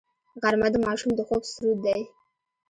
غرمه د ماشوم د خوب سرود دی